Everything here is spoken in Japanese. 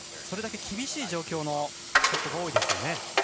それだけ厳しい状況のショットが多いですよね。